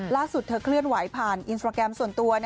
เธอเคลื่อนไหวผ่านอินสตราแกรมส่วนตัว